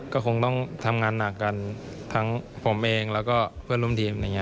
ก็คงต้องทำงานหนักกันทั้งผมเองและเพื่อนรุ่มทีม